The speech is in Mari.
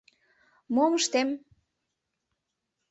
Мом ыштем!